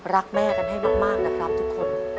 รักแม่กันให้มากนะครับทุกคน